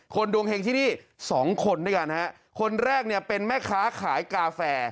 คนดวงเฮงที่นี้๒คนด้วยกันคนแรกเป็นแม่ค้าขายกาแฟ